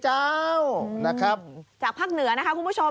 จากภาคเหนือนะคะคุณผู้ชม